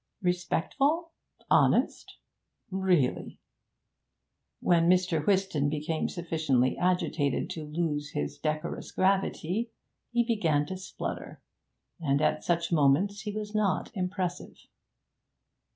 Respectful? Honest? Really!' When Mr. Whiston became sufficiently agitated to lose his decorous gravity, he began to splutter, and at such moments he was not impressive.